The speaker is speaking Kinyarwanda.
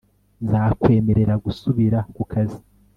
nzakwemerera gusubira ku kazi